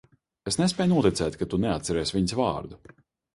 Es nespēju noticēt, ka tu neatceries viņas vārdu.